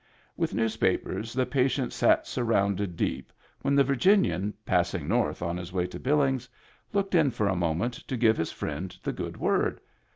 With newspapers the patient sat surrounded deep, when the Virginian, passing north on his way to Billings, looked in for a moment to give his friend the good word.